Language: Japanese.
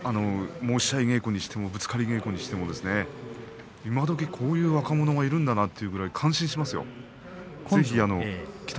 申し合いにしてもねぶつかり稽古にしても今どきこういう若者がいるんだなというぐらい感謝しました。